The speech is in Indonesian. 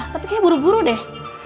tapi kayaknya buru buru deh